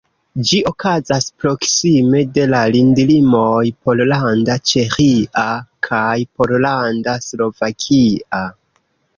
Ĝi okazas proksime de la landlimoj Pollanda-Ĉeĥia kaj Pollanda-Slovakia.